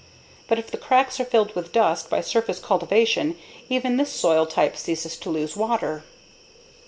But if the cracks are filled with dust by surface cultivation, even this soil type ceases to lose water.